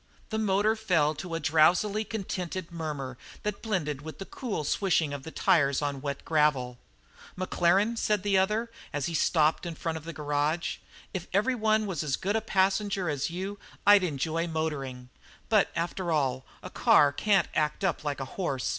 The motor fell to a drowsily contented murmur that blended with the cool swishing of the tires on wet gravel. "Maclaren," said the other, as he stopped in front of the garage, "if everyone was as good a passenger as you I'd enjoy motoring; but after all, a car can't act up like a horse."